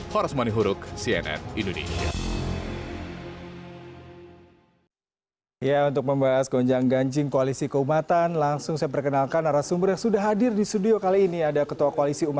horosmane hurug cnn indonesia